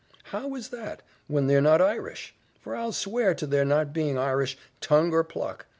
"How is that, when they're not Irish! for I'll swear to their not being Irish, tongue or pluck.